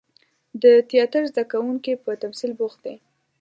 د تیاتر زده کوونکي په تمثیل بوخت دي.